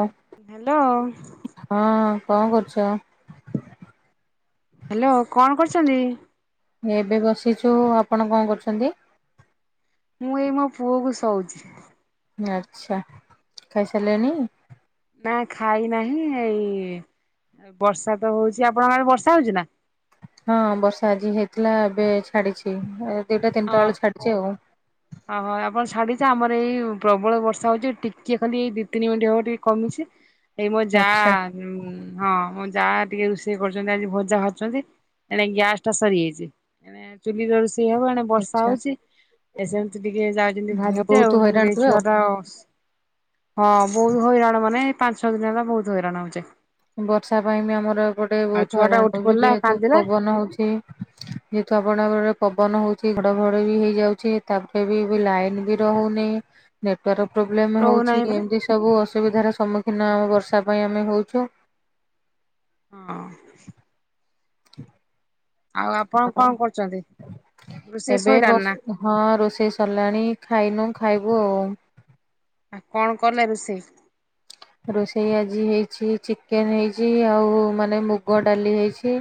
ଓ hello ହଁ କଣ କରୁଛ। ହାଲୋ କଣ କରୁଛନ୍ତି। ଏବେ ବସିଛୁ ଆପଣ କଣ କରୁଛନ୍ତି। ମୁଁ ଏଇ ମୋ ପୁଅ କୁ ଶଉଛି। ଆଚ୍ଛା ଖାଇସାରିଲେଣିି। ନା ଖାଇ ନାହିଁ ଏଇ ବର୍ଷା ତ ହଉଛି ଆପଣଙ୍କଆଡେ ବର୍ଷା ହଉଛି ନା। ହଁ ବର୍ଷା ଆଜି ହେଇଥିଲା ଏବେ ଛାଡିଛି ଏ ଦିଇଟା ଅ ତିନିଟା ବେଳୁ ଛାଡିଛି ଆଉ। ଓହୋ ଆପଣ ଛାଡିଛେ ଆମର ଏଇ ପ୍ରବଳ ବର୍ଷା ହଉଛି ଟିକିଏ ଖାଲି ଏଇ ଦି ତିନି ମିନିଟ ହବ ଟିକେ କମିଛି। ଏଇ ମୋ ଯା ଆଚ୍ଛା ହଁ ମୋ ଯାଆ ଟିକେ ରୋଷେଇ କରୁଛନ୍ତି ଆଜି ଭଜା ଭାଜୁଛନ୍ତି ଏଣେ ଗ୍ୟାସ ଟା ସରିଯାଇଛି, ଏ ଚୁଲିରେ ରୋଷେଇ ହବ ନା ବର୍ଷା ଆଚ୍ଛା ହଉଛି ଏସେମତି ଟିକେ ଯାଆ ଯେମି ଭାଜିଦେ ବହୁତ ଆଉ ହଇରାଣ ମୁର ଏଇ ହୁଏ ଛୁଆ ଆଉ ଟା ହଁ ବହୁତ ହଇରାଣ ମାନେ ପାଞ୍ଚ ଛଅ ଦିନ ହେଲା ବହୁତ ହଇରାଣ ହଉଛେ। ବର୍ଷା ପାଇଁ ବି ଆମର ଏପଟେ ଆଉ ବହୁତ ଛୁଆ ଟା ହଇରାଣ ଉଠି ହଉଛି ପଡିଲା ଯେହେତୁ କାନ୍ଦିଲା ପବନ ହଉଛି ଯେହେତୁ ଆପଣଙ୍କର ପବନ ହଉଛି ଘଡଘଡ ବି ହେଇଯାଉଛି ତାପରେ ବି ଏବେ ଲାଇନ ବି ରହୁନି ନେଟୱାର୍କ ପ୍ରୋବ୍ଲେମ ରହୁନାହିଁ ହଉଛି ପରା ଏମିତି ସବୁ ଅସୁବିଧାର ସମ୍ମୁଖୀନ ଆମ ବର୍ଷା ପାଇଁ ଆମେ ହଉଛୁ। ହଁ। [inaudible] ଆଉ ଆପଣ ଆଉ କଣ କରୁଛନ୍ତି ରୋଷେଇ ଏବେ ଶୋଇଲାଣି ବସ ନା। ହଁ ରୋଷେଇ ସରିଲାଣି ଖାଇନୁ ଖାଇବୁ ଆଉ। ଆଉ କଣ କଲେ ରୁଷେଇ। ରୋଷେଇ ଆଜି ହେଇଛି ଚିକେନ ହେଇଛି ଆଉ ମାନେ ମୁଗ ଡାଲି ହେଇଛି।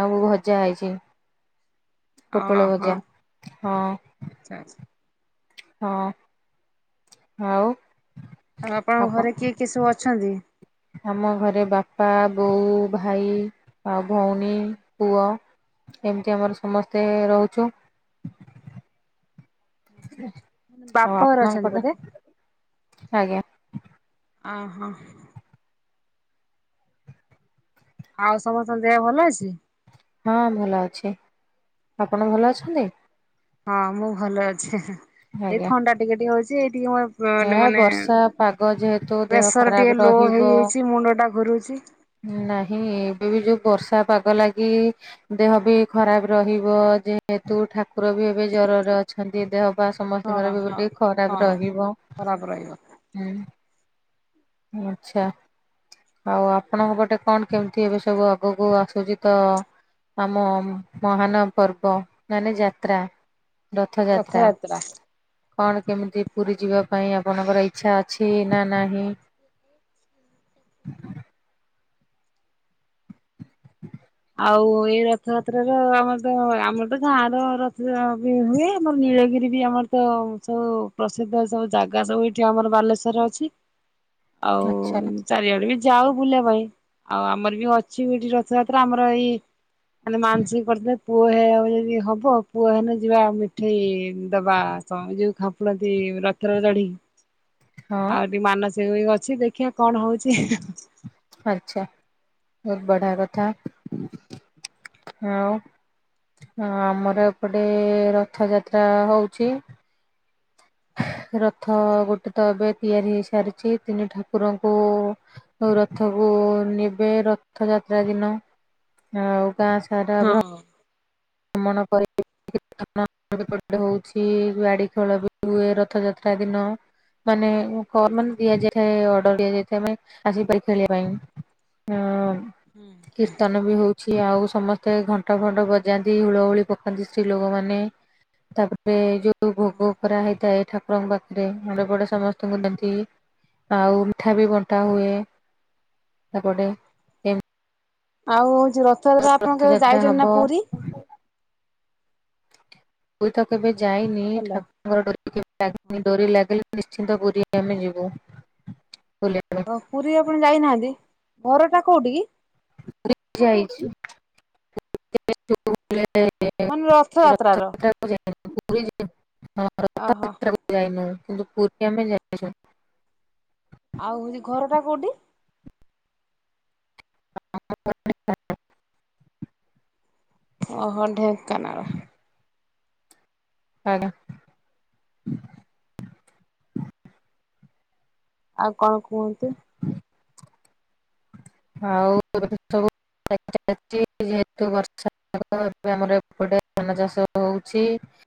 ଆଉ ଭଜା ହେଇଛି। [inaudible] ପୋଟଳ ଓହୋ ଭଜା ହଁ। [inaudible] ହଁ ଆଉ। ଆଉ ଆପଣଙ୍କ ଆପଣ ଘରେ କିଏ କିଏ ସବୁ ଅଛନ୍ତି। ଆମ ଘରେ ବାପା, ବୋଉ, ଭାଇ ଆଉ ଭଉଣୀ, ପୁଅ ଏମିତି ଆମର ସମସ୍ତେ ରହୁଛୁ। ଆଉ ବାପଘରେ ଅଛନ୍ତି ଆପଣଙ୍କର? ବୋଧେ ଆଜ୍ଞା। ଓ ହୋ। ଆଉ ସମସ୍ତଙ୍କ ଦେହ ଭଲ ଅଛି? ହଁ ଭଲ ଅଛି। ଆପଣ ଭଲ ଅଛନ୍ତି? ହଁ ମୁଁ ଭଲ ଅଛି ହେଁ ଏ, ଏଇ ଆଜ୍ଞା ଥଣ୍ଡା ଟିକେ ଟିକେ ହଉଚି ଏଇ ଟିକେ ମୋ ଏ [unintelligible] ମାନେ ବର୍ଷା ପାଗ ଯେହେତୁ ଦେହ ପ୍ରେସର ଖରାପ ଟିକେ ଲୋ ରହିବ। ହେଇଯାଇଚି ମୁଣ୍ଡ ଟା ଘୁରୁଚି। ନାହିଁ ଏବେ ବି ଯୋଉ ବର୍ଷା ପାଗ ଲାଗି ଦେହ ବି ଖରାପ ରହିବ ଯେହେତୁ ଠାକୁର ବି ଏବେ ଜରରେ ଅଛନ୍ତି ଦେହ ବା ହଁ ସମସ୍ତିଙ୍କର ବି ହଁ ଗୋଟିଏ ଖରାପ ହଁ। ରହିବ। ଖରାପ ରହିବ। ହୁଁ ଆଚ୍ଛା। ଆଉ ଆପଣଙ୍କ ପଟେ କଣ କେମିତି ଏବେ ସବୁ ଆଗକୁ ଆସୁଛି ତ ଆମ ମହାନ ପର୍ବ ମାନେ ଯାତ୍ରା ରଥଯାତ୍ରା କଣ କେମିତି ପୁରୀ ଯିବା ପାଇଁ ଆପଣଙ୍କର ଇଚ୍ଛା ଅଛି ନା ନାହିଁ - ଆଉ ଏଇ ରଥଯାତ୍ରାର ଆମର ତ ଆମର ତ ଗାଁର ରଥ ବି ହୁଏ, ଆମର ନୀଳଗିରି ବି ଆମର ତ ସବୁ ପ୍ରସିଦ୍ଧ ସବୁ ଜାଗା ସବୁ ଏଇଠି ଆମର ବାଲେଶ୍ଵରରେ ଅଛି - ଆଉ ଆଚ୍ଛା ଚାରିଆଡେ ବି ଯାଉ ବୁଲିବା ପାଇଁ ଆଉ ଆମର ବି ଅଛି ଏଠି ରଥଯାତ୍ ତ ଆମର ଏଇ ମାନେ ମାନସିକ [unintelligible] [unintelligible] [unintelligible] ଚଢିକି ଆଉ ହଁ ଟିକେ ମାନସିକ ବି ଅଛି ଦେଖିଆ କଣ ହଉଚି ହେଁ ହେଁ। ଆଚ୍ଛା ବହୁତ୍ ବଢିଆ କଥା - ଆଉ - ହଁ ଆମର ଏପଟେ ରଥଯାତ୍ରା ହଉଚି ରଥ ଗୋଟେ ତ ଏବେ ତିଆରି ହେଇସାରଚି ତିନି ଠାକୁରଙ୍କୁ ଆଉ ରଥକୁ ନେବେ ରଥଯାତ୍ରା ଦିନ ଆଉ ଗାଁ ସାରା ହଁ ବ୍ର ଭ୍ରମଣ କରି କୀର୍ତ୍ତନ ବି ଏପଟେ ହଉଚି ବାଡି ଖେଳ ବି ହୁଏ ରଥଯାତ୍ରା ଦିନ - ମାନେ କ ଦିଆ ଯାଇଥାଏ ଅର୍ଡର୍ ଦିଆଯାଇଥାଏ ମାନେ ଆସିକି ଖେଳିବା ପାଇଁ - ଆଁ [inaudible] ର୍ତ୍ତନ ବି ହଉଛି ଆଉ ସମସ୍ତେ ଘଣ୍ଟ ଫଣ୍ଟ ବଜାନ୍ତି ହୁଳ ହୁଳି ପକାନ୍ତି ସ୍ତ୍ରୀ ଲୋକମାନେ ତାପରେ ଯୋଉ ଭୋଗ କରା ହେଇଥାଏ ଠାକୁରଙ୍କ ପାଖରେ [unintelligible] ସମସ୍ତଙ୍କୁ ଦନ୍ତି ଆଉ ମିଠା ବି ବଣ୍ଟା ହୁଏ ସେପଟେ ଆଉ ହଉଚି ରଥଯାତ୍ରା ଆପଣ କେବେ ଯାତ୍ରା ଯାଇଚନ୍ତି ହବ ନା ପୁରୀ? ପୁରୀ ତ କେବେ ଯାଇନି ହାଲୋ ଠାକୁରଙ୍କ ଡୋରି କେବେ ଲାଗିନି ଡୋରି ଲାଗିଲେ ନିଶ୍ଚିନ୍ତ ପୁରୀ ଆମେ ଯିବୁ ବୁଲିବା ପାଇଁ। ଓ ପୁରୀ ଆପଣ ଯାଇନାହାନ୍ତି ଘର ଟା କଉଟି କି? ପୁରୀ ଯାଇଚି ମାନେ ରଥଯାତ୍ରାର ରଥଯାତ୍ରାକୁ ଯାଇନୁ ପୁରୀ ହଁ ଅହ। ରଥଯାତ୍ରାକୁ ଯାଇନୁ କିନ୍ତୁ ପୁରୀ ଆମେ ଯାଇଚୁ। ଆଉ ହଉଚି ଘରଟା କଉଠି? [unintelligible] ଅହୋ ଢେଙ୍କାନାଳ। ଆଜ୍ଞା। ଆଉ କଣ କୁହନ୍ତୁ - ଆଉ [inaudible] ସବୁ। ଯେହେତୁ ବର୍ଷା ଏବେ ଆମର ଏପଟେ ଧାନ ଚାଷ ହୋଉଛି।